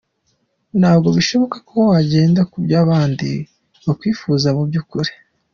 Ntabwo bishoboka ko wagendera ku by’abandi bakwifuzaho mu by’ukuri.